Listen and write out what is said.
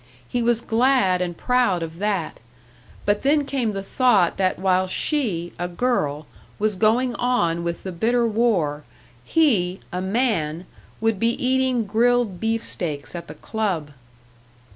He was glad and proud of that; but then came the thought that while she, a girl, was going on with the bitter war, he, a man, would be eating grilled beefsteaks at the club!